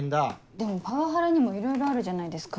でもパワハラにもいろいろあるじゃないですか。